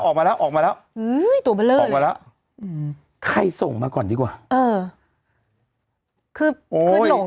โอ้โหโอ้โหโอ้โห